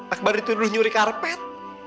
akbar dituduh nyuri karpet